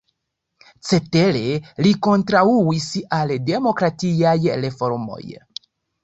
Cetere li kontraŭis al demokratiaj reformoj.